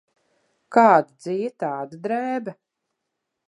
Kāda dzija, tāda drēbe.